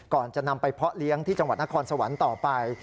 ก่อนจะนำไปเพาะเลี้ยงที่จังหวัดนครสวรรค์ต่อไป